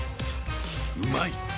うまい！